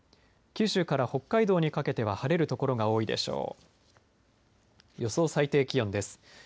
九州から北海道にかけては晴れる所が多いでしょう。